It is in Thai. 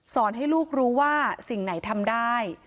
ให้ลูกรู้ว่าสิ่งไหนทำได้